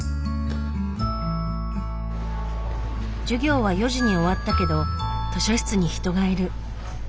授業は４時に終わったけど図書室に人がいる。